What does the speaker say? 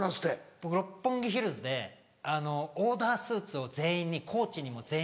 僕六本木ヒルズでオーダースーツを全員にコーチにも全員に。